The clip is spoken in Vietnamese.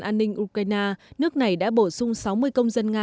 an ninh ukraine nước này đã bổ sung sáu mươi công dân nga